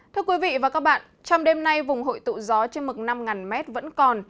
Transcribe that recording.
thưa quý vị và các bạn trong đêm nay vùng hội tụ gió trên mực năm m vẫn còn